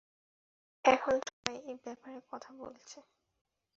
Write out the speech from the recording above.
এখন তারা এই ব্যাপারে কথা বলছে।